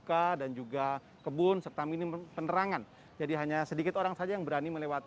menarai garis redundente dan melakukan pelanggan sebenar dengan kue ribet commit